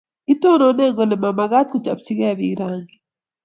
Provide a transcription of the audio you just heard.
kitonone kole ma mekat kobchei biik rangik